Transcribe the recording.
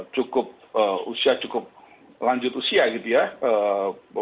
cukup usia cukup lanjut usia gitu ya